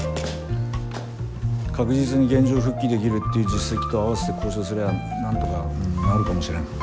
確実に原状復帰できるっていう実績とあわせて交渉すりゃなんとかなるかもしれん。